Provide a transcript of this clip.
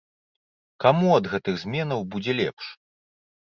Каму ад гэтых зменаў будзе лепш?